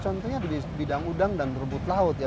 contohnya di bidang udang dan rebut laut ya